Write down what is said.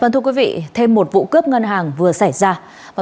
thêm một vụ cướp ngân hàng vừa xảy ra